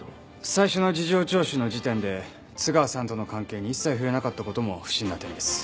最初の事情聴取の時点で津川さんとの関係に一切触れなかった事も不審な点です。